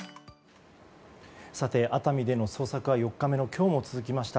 熱海での捜索は４日目の今日も続きました。